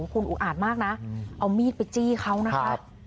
คุณอุอาจมากนะเอามีดไปจี้เขานะครับ